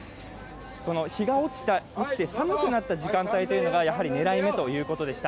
日が落ちて寒くなった時間帯というのがやはり狙い目ということでした。